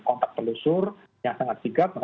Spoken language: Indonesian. kontak telusur yang sangat sigap